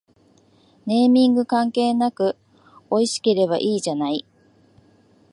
ネーミング関係なくおいしければいいじゃない